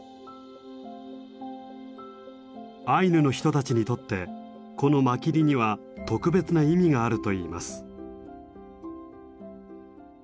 アイヌの人たちにとってこのマキリには特別な意味があるといいます。